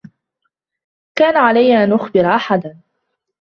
كان علي أن أخبر أحدا.